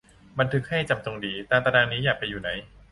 บันทึกให้จำจงดี ตามตารางนี้ อยากไปอยู่ไหน